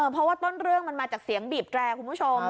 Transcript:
เพราะว่าต้นเรื่องมันมาจากเสียงบีบแตรคุณผู้ชม